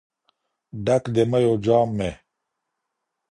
ډك د ميو جام مي